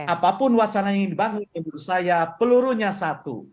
apapun wacana yang dibangun menurut saya pelurunya satu